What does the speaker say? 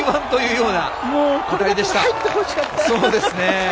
そうですね。